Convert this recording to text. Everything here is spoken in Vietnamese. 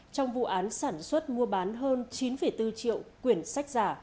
trong vụ án sản xuất mua bán hơn chín bốn triệu quyển sách giả